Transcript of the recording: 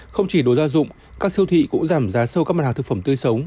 không chỉ đồ gia dụng các siêu thị cũng giảm giá sâu các mặt hàng thực phẩm tươi sống